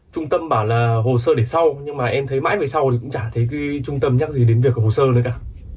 trung tâm bảo là hồ sơ để sau nhưng mà em thấy mãi về sau thì cũng chả thấy cái trung tâm nhắc gì đến việc của hồ sơ nữa cả